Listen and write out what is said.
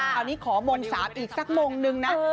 ตอนนี้ขอโมงสามอีกสักมงหนึ่ง